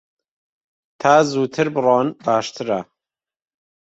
تا زووتر بڕۆن باشترە.